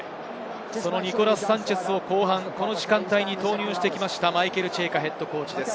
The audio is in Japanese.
ニコラス・サンチェスをこの時間帯に投入してきました、マイケル・チェイカＨＣです。